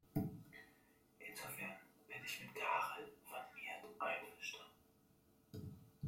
Insofern bin ich mit Karel van Miert einverstanden.